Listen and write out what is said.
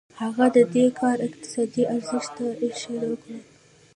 هغه د دې کار اقتصادي ارزښت ته اشاره وکړه